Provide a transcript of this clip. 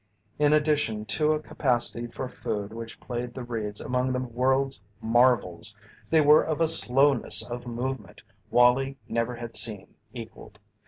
In addition to a capacity for food which placed the Reeds among the world's marvels they were of a slowness of movement Wallie never had seen equalled.